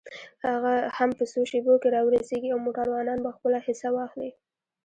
هم په څو شیبو کې را ورسېږي او موټروانان به خپله حصه واخلي.